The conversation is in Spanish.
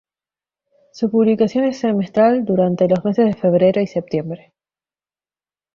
Su publicación es semestral, durante los meses de febrero y septiembre.